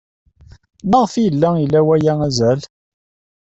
Maɣef ay yella ila waya azal?